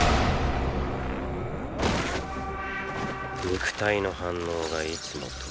肉体の反応がいつもと違う。